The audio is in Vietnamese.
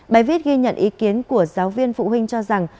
bài viết ghi nhận ý kiến của giáo viên phụ huynh cho rằng